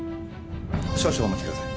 少々お待ちください。